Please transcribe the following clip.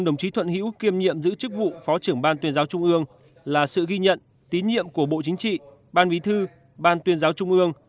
đồng chí thuận hữu kiêm nhiệm giữ chức vụ phó trưởng ban tuyên giáo trung ương là sự ghi nhận tín nhiệm của bộ chính trị ban bí thư ban tuyên giáo trung ương